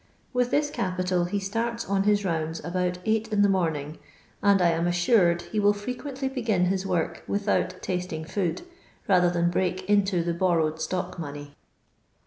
With this capital he starts on his rounds about eight in the morning, and I am assured he will frequently begin his work without tasting food, rather than break into the borrowed stock money.